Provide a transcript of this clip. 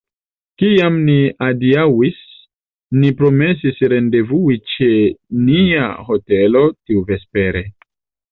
Kiam ni adiaŭis, ni promesis rendevui ĉe nia hotelo tiuvespere.